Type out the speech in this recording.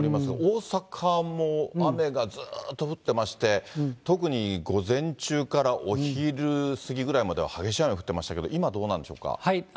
大阪も雨がずーっと降ってまして、特に午前中からお昼過ぎぐらいまでは激しい雨降ってましたけど、今、どうなんでしょうか。